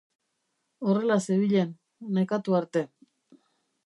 Horrela zebilen, nekatu arte.